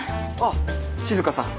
あ静さん。